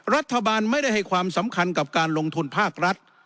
รัฐบาลไม่ได้ให้ความสำคัญกับการลงทุนภาครัฐ